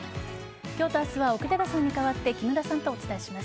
今日と明日は奥寺さんに代わって木村さんとお伝えします。